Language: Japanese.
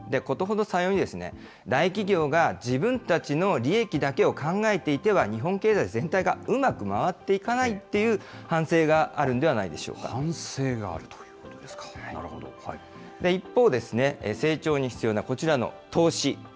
ことほどさように、大企業が自分たちの利益だけを考えていては、日本経済全体がうまく回っていかないっていう反省があるのではな反省があるということですか、一方で、成長に必要なこちらの投資。